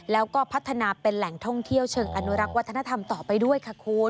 แล้วก็พัฒนาเป็นแหล่งท่องเที่ยวเชิงอนุรักษ์วัฒนธรรมต่อไปด้วยค่ะคุณ